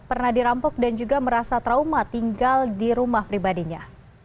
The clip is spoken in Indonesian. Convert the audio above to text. pernah dirampok dan juga merasa trauma tinggal di rumah pribadinya